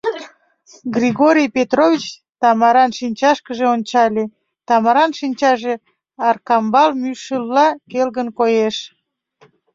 Григорий Петрович Тамаран шинчашкыже ончале, Тамаран шинчаже Аркамбал мӱшылла келгын коеш.